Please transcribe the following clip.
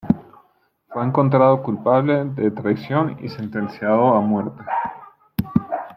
Fue encontrado culpable de traición y sentenciado a muerte.